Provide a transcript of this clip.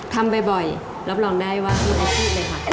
ถ้าทำบ่อยรับรองได้ว่าคุณก็พูดเลยค่ะ